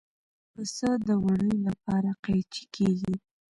پسه د وړیو لپاره قیچي کېږي.